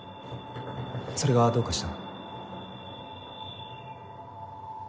それがどうかした？